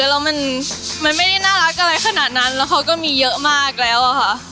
แล้วมันไม่ได้น่ารักอะไรขนาดนั้นแล้วเขาก็มีเยอะมากแล้วอะค่ะ